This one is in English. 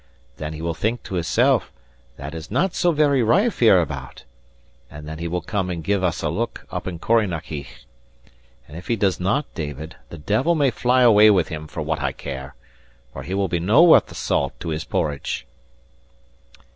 Then he will think to himsel', THAT IS NOT SO VERY RIFE HEREABOUT; and then he will come and give us a look up in Corrynakiegh. And if he does not, David, the devil may fly away with him, for what I care; for he will no be worth the salt to his porridge."